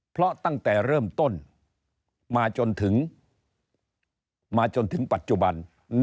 เพราะตั้งแต่เริ่มต้นมาจนถึงมาจนถึงปัจจุบัน